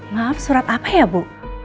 maaf surat apa ya bu